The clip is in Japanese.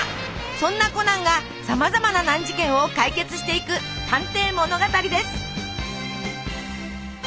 そんなコナンがさまざまな難事件を解決していく探偵物語です。